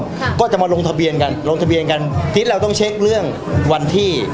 ค่ะก็จะมาลงทะเบียนกันลงทะเบียนกันทีนี้เราต้องเช็คเรื่องวันที่